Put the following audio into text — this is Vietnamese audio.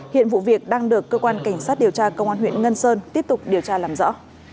hiện vụ việc đang được cơ quan cảnh sát điều tra công an huyện ngân sơn tiếp tục điều tra làm rõ